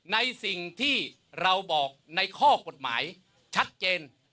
ในสิ่งที่เราบอกในข้อกฎหมายชัดเจน